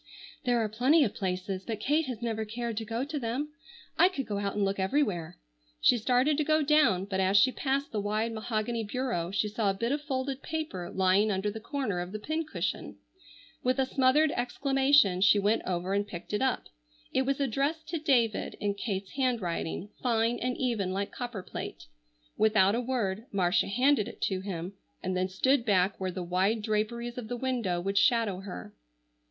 "There are plenty of places, but Kate has never cared to go to them. I could go out and look everywhere." She started to go down, but as she passed the wide mahogany bureau she saw a bit of folded paper lying under the corner of the pincushion. With a smothered exclamation she went over and picked it up. It was addressed to David in Kate's handwriting, fine and even like copperplate. Without a word Marcia handed it to him, and then stood back where the wide draperies of the window would shadow her.